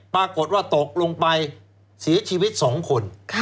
ปรากฏว่าตกลงไปเสียชีวิต๒คน